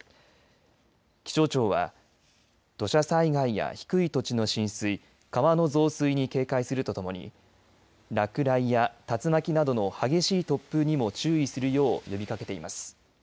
気象庁は土砂災害や低い土地の浸水川の増水に警戒するとともに落雷や竜巻などの激しい突風にも注意するよう呼びかけています。